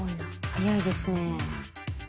早いですね。